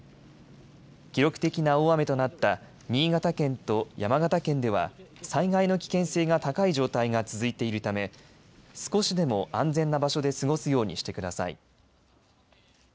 記録的な大雨となった新潟県と山形県では災害の危険性が高い状態が続いているため少しでも安全な場所で過ごすようにしてください。